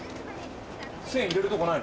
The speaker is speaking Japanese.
１０００円入れるとこない。